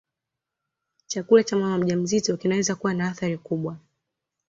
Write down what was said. chakula cha mama mjamzito kinaweza kuwa na athari kubwa